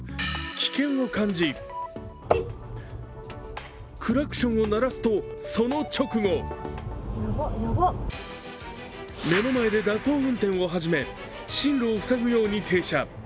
危険を感じクラクションを鳴らすと、その直後目の前で蛇行運転を始め、進路を塞ぐように停車。